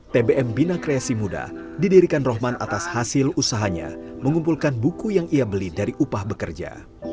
tbm bina kreasi muda didirikan rohman atas hasil usahanya mengumpulkan buku yang ia beli dari upah bekerja